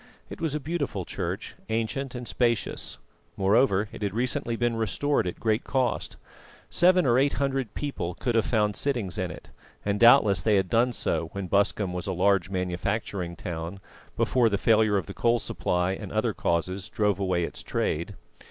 It was a beautiful church, ancient and spacious; moreover, it had recently been restored at great cost. Seven or eight hundred people could have found sittings in it, and doubtless they had done so when Busscombe was a large manufacturing town, before the failure of the coal supply and other causes drove away its trade.